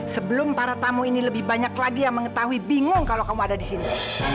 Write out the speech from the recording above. sebelum para tamu ini lebih banyak lagi yang mengetahui bingung kalau kamu ada di sini